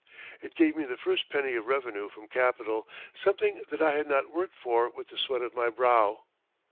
It gave me the first penny of revenue from capital something that I had not worked for with the sweat of my brow.